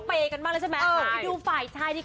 ฝ่ายหนึ่งเขาเปกันมากแล้วใช่มั้ย